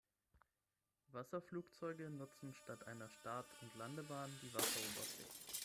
Wasserflugzeuge nutzen statt einer Start- und Landebahn die Wasseroberfläche.